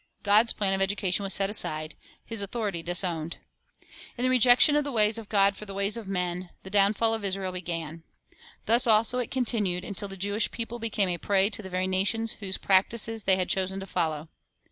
God's plan of education was set aside, His authority disowned. In the rejection of the ways of God for the ways of men, the downfall of Israel began. Thus also it con tinued, until the Jewish people became a prey to the very nations whose practises they had chosen to follow.